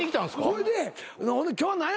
ほいで「今日は何や！」